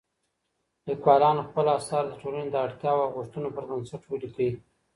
ليکوالانو خپل اثار د ټولني د اړتياوو او غوښتنو پر بنسټ وليکئ.